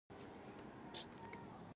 احمده! د خلګو په خبرو بې ځایه مه ګډېږه.